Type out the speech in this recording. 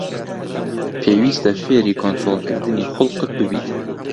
پێویستە فێری کۆنتڕۆڵکردنی خوڵقت ببیت.